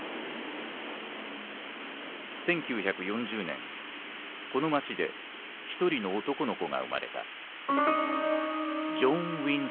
１９４０年この街で一人の男の子が生まれた。